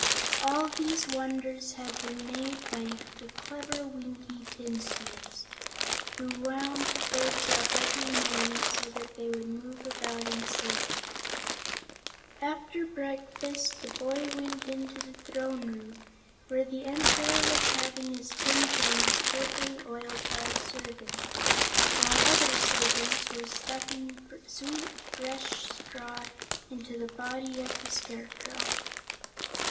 All these wonders had been made by the clever Winkie tinsmiths, who wound the birds up every morning so that they would move about and sing. After breakfast the boy went into the throne room, where the Emperor was having his tin joints carefully oiled by a servant, while other servants were stuffing sweet, fresh straw into the body of the Scarecrow.